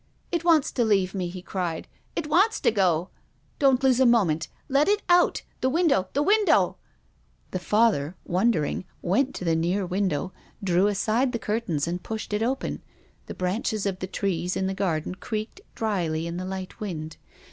" It wants to leave me," he cried. " It wants to go ! Don't lose a moment ! Let it out ! The window — the window !" The Father, wondering, went to the near win dow, drew aside the curtains and pushed it open. The branches of the trees in the garden creaked drily in the light wind.